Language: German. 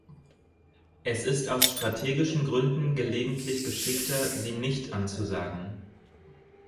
Es ist aus strategischen Gründen gelegentlich geschickter, sie nicht anzusagen.